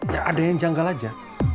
ya ada yang janggal aja